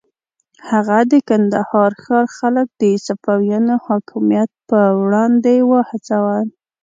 هغه د کندهار ښار خلک د صفویانو حاکمیت پر وړاندې وهڅول.